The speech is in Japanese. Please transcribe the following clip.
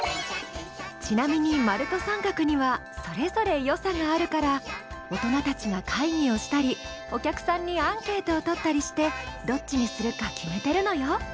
ちなみに丸と三角にはそれぞれ良さがあるから大人たちが会議をしたりお客さんにアンケートを取ったりしてどっちにするか決めてるのよ